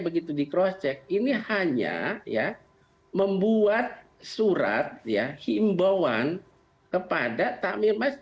begitu di crosscheck ini hanya ya membuat surat ya himbauan kepada takmir masjid